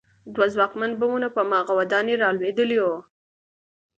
دوه ځواکمن بمونه په هماغه ودانۍ رالوېدلي وو